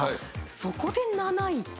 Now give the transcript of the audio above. そこで７位って。